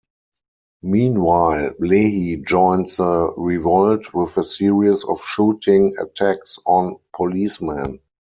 Meanwhile, Lehi joined the revolt with a series of shooting attacks on policemen.